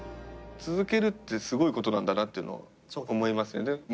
続けるってすごいことなんだなっていうのは思いますよね。